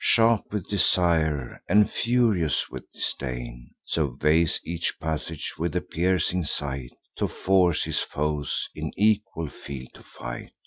Sharp with desire, and furious with disdain; Surveys each passage with a piercing sight, To force his foes in equal field to fight.